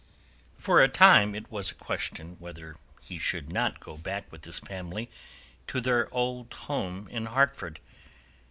For a time it was a question whether he should not go back with his family to their old home in Hartford.